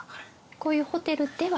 「こういうホテルでは？」